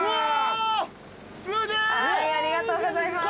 ありがとうございます。